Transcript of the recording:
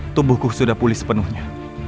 tubuhku sudah pulih sepenuhnya